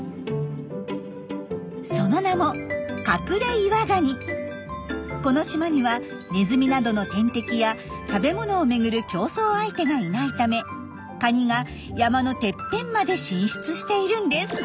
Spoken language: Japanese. その名もこの島にはネズミなどの天敵や食べ物をめぐる競争相手がいないためカニが山のてっぺんまで進出しているんです。